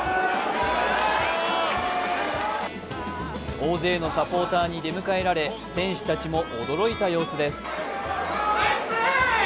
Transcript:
大勢のサポーターに出迎えられ、選手たちも驚いた様子です。